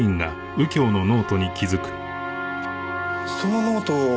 そのノート